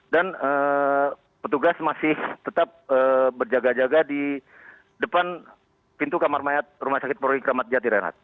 dan petugas masih tetap berjaga jaga di depan pintu kamar mayat rumah sakit polri kramajati renat